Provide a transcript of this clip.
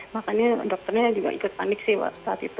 makanya dokternya juga ikut panik sih waktu saat itu